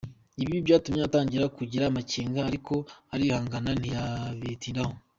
Ibi byatumye atangira kugira amakenga ariko arihangana ntiyabitindaho.